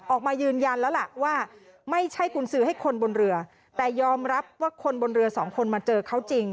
ออกมายืนยันแล้วล่ะว่าไม่ใช่กุญสือให้คนบนเรือแต่ยอมรับว่าคนบนเรือสองคนมาเจอเขาจริง